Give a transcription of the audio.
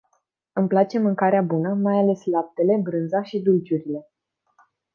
Îmi place mâncarea bună, mai ales laptele, brânza și dulciurile.